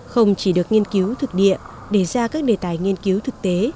không chỉ được nghiên cứu thực địa để ra các đề tài nghiên cứu thực tế